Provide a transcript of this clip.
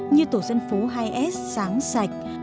như tổ dân phố hai s sáng sạch